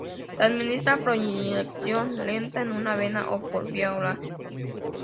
Se administra por inyección lenta en una vena o por vía oral.